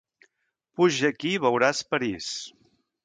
Puja aquí i veuràs París!